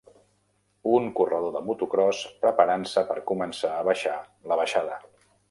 Un corredor de motocròs preparant-se per començar a baixar la baixada.